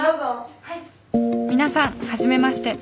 皆さん初めまして。